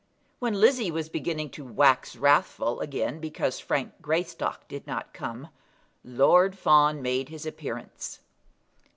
When Lizzie was beginning to wax wrathful again because Frank Greystock did not come, Lord Fawn made his appearance.